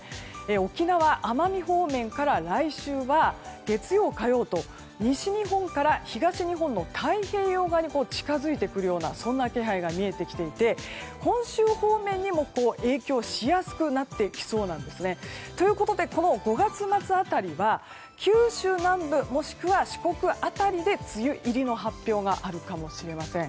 沖縄、奄美方面から来週は月曜、火曜と西日本から東日本の太平洋側に近づいてくるようなそんな気配が見えてきていて本州方面にも影響しやすくなってきそうなんですね。ということで、５月末辺りは九州南部もしくは四国辺りで梅雨入りの発表があるかもしれません。